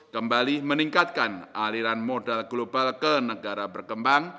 kembali meningkatkan aliran modal global ke negara berkembang